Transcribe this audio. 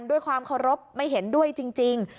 ด้วยความเคารพไม่เห็นด้วยจริง